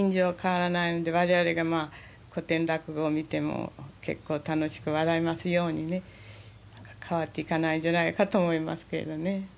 われわれが古典落語を見ても結構楽しく笑えますようにね変わっていかないんじゃないかと思いますけれどね。